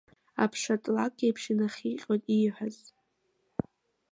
Аԥшатлакә еиԥш инаихҟьоит ииҳәаз.